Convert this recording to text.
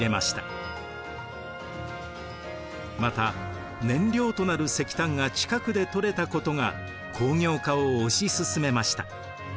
また燃料となる石炭が近くで採れたことが工業化を推し進めました。